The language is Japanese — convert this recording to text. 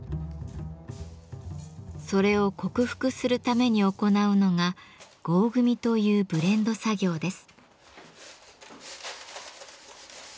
それを克服するために行うのが「合組」というブレンド作業です。